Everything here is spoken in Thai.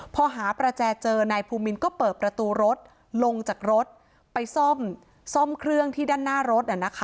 พอหาประแจเจอนายภูมินก็เปิดประตูรถลงจากรถไปซ่อมเครื่องที่ด้านหน้ารถ